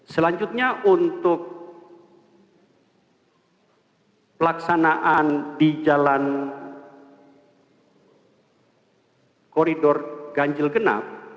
selanjutnya untuk pelaksanaan di jalan koridor ganjil genap